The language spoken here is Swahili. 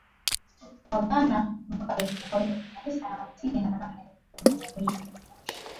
wa Ghana mwaka elfu moja Mia Tisa na hamsini na nane Ujumbe huu ulimjumuisha